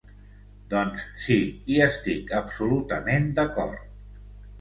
Doncs sí, hi estic absolutament d’acord.